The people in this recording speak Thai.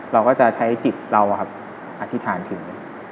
เราก็จะใช้จิตเราอธิษฐานถึง